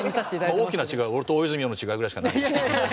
大きな違いは俺と大泉洋の違いぐらいしかないんですけど。